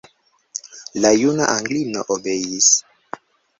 La juna Anglino obeis.